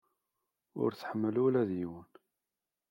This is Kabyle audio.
Ur tḥemmel ula d yiwen.